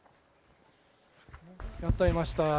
やっと会えました。